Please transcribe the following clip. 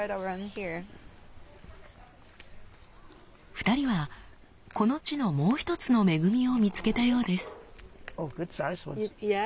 ２人はこの地のもう一つの恵みを見つけたようです。